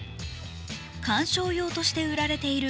観賞用として売られている